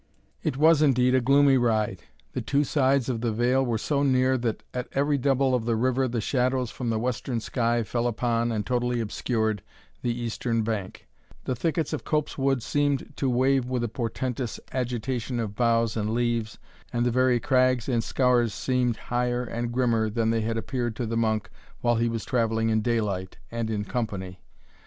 It was indeed a gloomy ride. The two sides of the vale were so near, that at every double of the river the shadows from the western sky fell upon, and totally obscured, the eastern bank; the thickets of copsewood seemed to wave with a portentous agitation of boughs and leaves, and the very crags and scaurs seemed higher and grimmer than they had appeared to the monk while he was travelling in daylight, and in company.